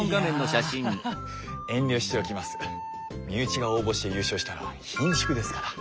身内が応募して優勝したらひんしゅくですから。